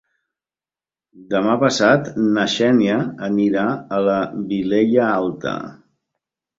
Demà passat na Xènia anirà a la Vilella Alta.